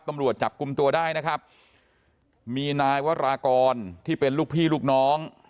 ตำรวจจับกลุ่มตัวได้นะครับมีนายวรากรที่เป็นลูกพี่ลูกน้อง